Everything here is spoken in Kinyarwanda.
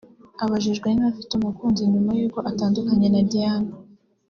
Abajijwe niba afite umukunzi nyuma y’uko atandukanye na Diane